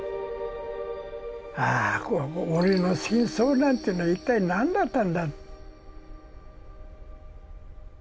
ああ俺の戦争なんていうのは一体なんだったんだ？